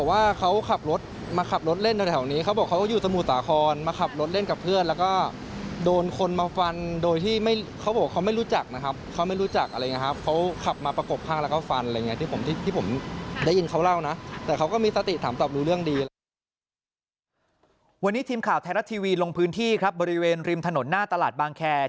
วันนี้ทีมข่าวไทยรัฐทีวีลงพื้นที่ครับบริเวณริมถนนหน้าตลาดบางแคร์